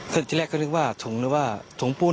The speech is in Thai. ซึ่งที่แรกก็นึกว่าถุงหรือว่าถุงปูน